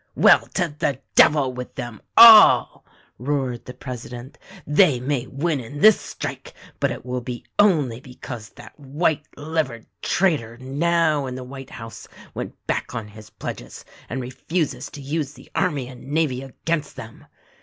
"Well, to the devil with them all !" roared the presi dent. "They may win in this strike, but it will be only be cause that white livered traitor now in the White House, went back on his pledges and refuses to use the army and navy against them.